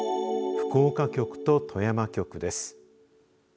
福岡局と富山局です。